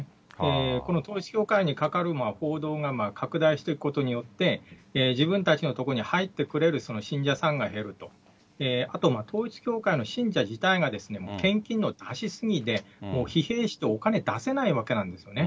この統一教会にかかる報道が拡大していくことによって、自分たちのところに入ってくれる信者が減ると、あと統一教会の信者自体が献金の出し過ぎでもう疲弊してお金出せないわけなんですよね。